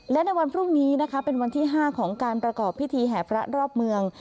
และในวันพรุ่งนี้นะคะเป็นวันที่๕ของการประกอบพิธีแห่พระรอบเมือง